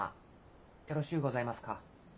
よろしうございますか？